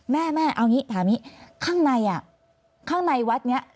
แม่แม่เอาอย่างนี้ถามอย่างนี้ข้างในอ่ะข้างในวัดนี้